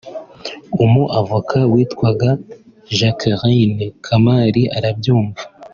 umu avocate witwaga Jacqueline Kamali arabyumva